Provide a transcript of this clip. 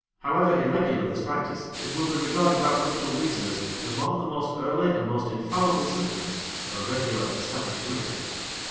However irregular this practice, it will be regarded by political reasoners as one of the most early and most infallible symptoms of a regular, established liberty.